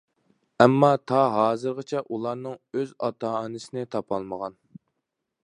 ئەمما تا ھازىرغىچە ئۇلارنىڭ ئۆز ئاتا- ئانىسىنى تاپالمىغان.